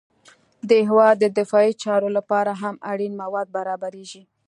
د هېواد د دفاعي چارو لپاره هم اړین مواد برابریږي